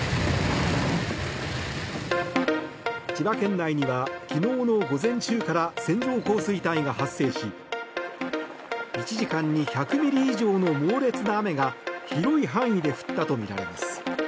千葉県内には昨日の午前中から線状降水帯が発生し１時間に１００ミリ以上の猛烈な雨が広い範囲で降ったとみられます。